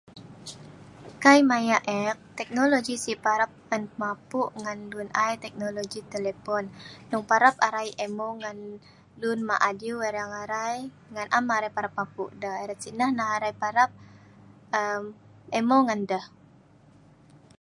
Kai maya eek teknologi si' parab an mpu' ngan lun mah adiew ereng arai ngan am arai parab papu'erat si'nah arai parab emeu ngan deh'